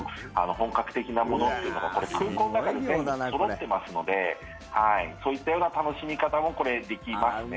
本格的なものっていうのが空港の中に全部そろってますのでそういったような楽しみ方もできますね。